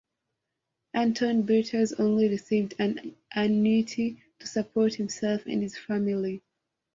Anton Beatus only received an annuity to support himself and his family.